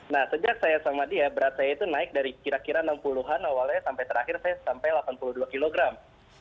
nah sejak saya sama dia berat saya itu naik dari kira kira enam puluh an awalnya sampai terakhir saya sampai delapan puluh dua kilogram